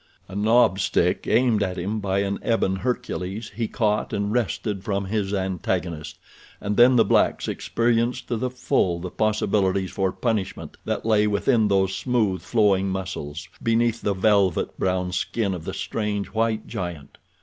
A knob stick aimed at him by an ebon Hercules he caught and wrested from his antagonist, and then the blacks experienced to the full the possibilities for punishment that lay within those smooth flowing muscles beneath the velvet brown skin of the strange, white giant.